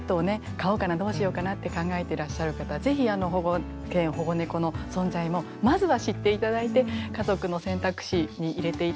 飼おうかなどうしようかなって考えてらっしゃる方是非保護犬保護猫の存在もまずは知っていただいて家族の選択肢に入れていただけたらなって思います。